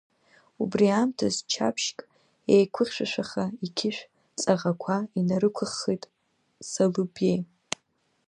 Убри аамҭаз ччаԥшьк еиқәыхьшәашәаха иқьышә ҵаӷақәа инарықәыххит Салыбеи.